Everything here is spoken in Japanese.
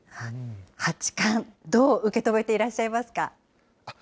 八冠、どう受け止めていらっしゃいますか。